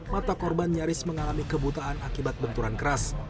mata korban nyaris mengalami kebutaan akibat benturan keras